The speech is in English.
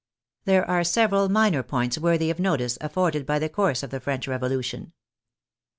There are several minor points worthy of notice af forded by the course of the French Revolution.